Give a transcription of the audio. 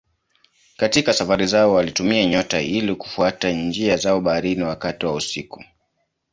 Katika safari zao walitumia nyota ili kufuata njia zao baharini wakati wa usiku.